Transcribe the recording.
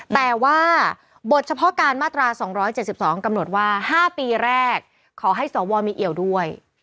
แต่ว่าบทเฉพาะการมาตรา๒๗๒กำหนดว่า๕ปีแรกขอให้สวมีเอี่ยวด้วย